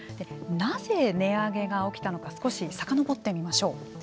なぜ値上げが起きたのか少しさかのぼってみましょう。